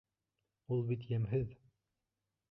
Ул бит йәмһеҙ.